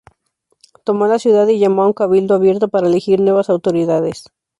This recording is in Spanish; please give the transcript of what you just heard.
Tomó la ciudad y llamó a un cabildo abierto para elegir nuevas autoridades.